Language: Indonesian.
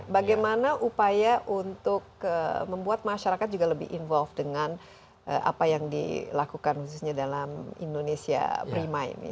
bagaimana upaya untuk membuat masyarakat juga lebih involved dengan apa yang dilakukan khususnya dalam indonesia prima ini